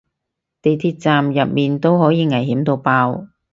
地鐵站入面都可以危險到爆